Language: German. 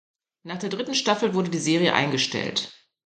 Nach der dritten Staffel wurde die Serie eingestellt.